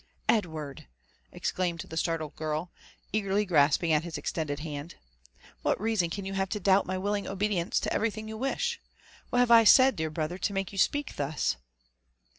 Edward!" exclaimed the startled girl, eagerly grasping hi^ ex tended hand, what reason can you have to doubt my willing obedience to everything you wish ?— What have I said, dear brother, to make you speak thus